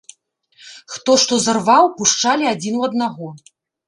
Хто што зарваў, пушчалі адзін у аднаго.